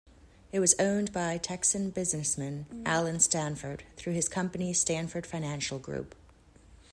It was owned by Texan businessman Allen Stanford, through his company Stanford Financial Group.